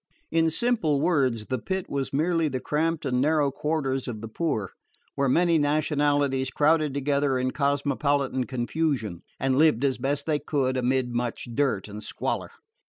In simple words, the Pit was merely the cramped and narrow quarters of the poor, where many nationalities crowded together in cosmopolitan confusion, and lived as best they could, amid much dirt and squalor.